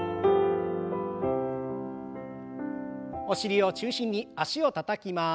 お尻を中心に脚をたたきます。